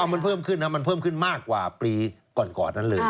มันเพิ่มขึ้นนะมันเพิ่มขึ้นมากกว่าปีก่อนนั้นเลย